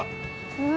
うわ。